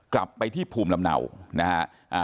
กลับไปที่ภูมิลำเนานะฮะ